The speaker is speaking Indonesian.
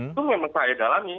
itu memang saya dalami